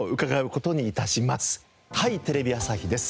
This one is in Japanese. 『はい！テレビ朝日です』